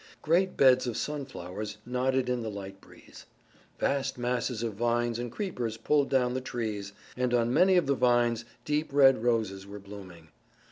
Great beds of sunflowers nodded in the light breeze. Vast masses of vines and creepers pulled down the trees, and on many of the vines deep red roses were blooming.